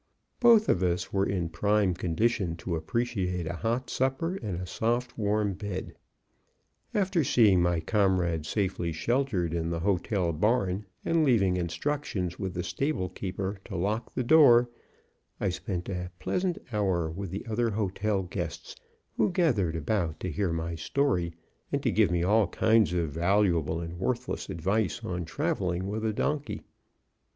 Both of us were in prime condition to appreciate a hot supper and a soft, warm bed. After seeing my comrade safely sheltered in the hotel barn and leaving instructions with the stable keeper to lock the door, I spent a pleasant hour with the other hotel guests, who gathered about to hear my story, and to give me all kinds of valuable and worthless advice on traveling with a donkey.